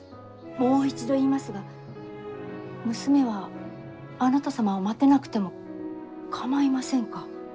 もう一度言いますが娘はあなた様を待てなくても構いませんか？